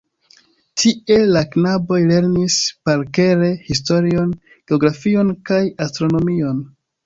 Tie la knaboj lernis parkere historion, geografion kaj astronomion.